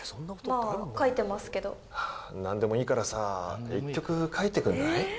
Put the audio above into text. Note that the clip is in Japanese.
まあ書いてますけど何でもいいからさ１曲書いてくんない？